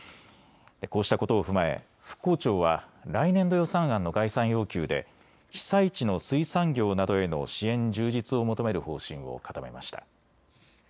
こうしたことを踏まえ復興庁は来年度予算案の概算要求で被災地の水産業などへの支援充実を求める方針を固めました。